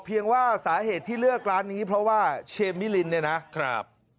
ว่าสาเหตุที่เลือกร้านนี้เพราะว่าเชมมิลินเนี่ยนะครับ